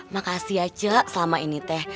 makasih ya cek selama ini teh